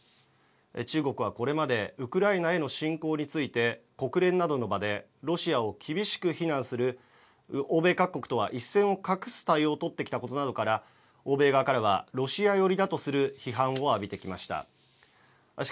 中国はこれまでウクライナへの侵攻について国連などの場でロシアを厳しく非難する欧米各国とは一線を画す対応を取ってきたことなどから欧米側からはロシア寄りだとする批判を浴びてきました。